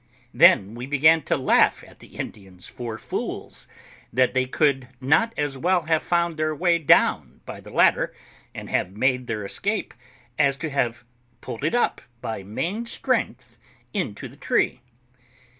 Then we began to laugh at the Indians for fools, that they could not as well have found their way down by the ladder, and have made their escape, as to have pulled it up by main strength into the tree.